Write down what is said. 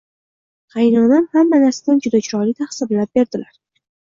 Qaynonam hamma narsani juda chiroyli taqsimlab berdilar.